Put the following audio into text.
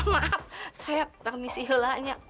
maaf saya permisi helahnya